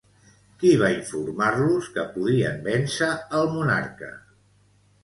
Qui va informar-los que podien vèncer al monarca?